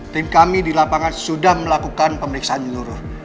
tim kami di lapangan sudah melakukan pemeriksaan nyeluruh